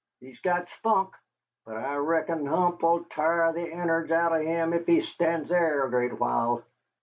He's got spunk, but I reckon Hump 'll t'ar the innards out'n him ef he stands thar a great while."